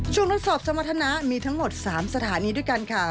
ช่วงทดสอบสมทนามีทั้งหมด๓สถานีด้วยกันค่ะ